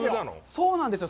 そうなんですよ。